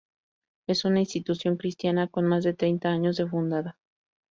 Es una institución cristiana con más de treinta años de fundada.